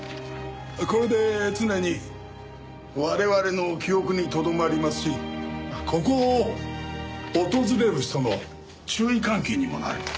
これで常に我々の記憶にとどまりますしここを訪れる人の注意喚起にもなる。